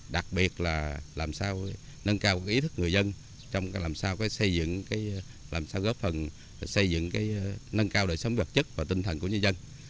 đặc biệt là làm sao nâng cao ý thức người dân làm sao góp phần xây dựng nâng cao đội sống vật chất và tinh thần của nhân dân